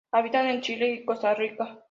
Habita en Chile y Costa Rica.